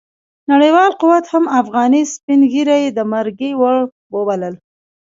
نړیوال قوت هم افغاني سپين ږيري د مرګي وړ وبلل.